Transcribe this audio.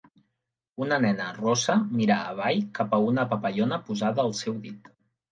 Una nena rossa mira avall cap a una papallona posada al seu dit.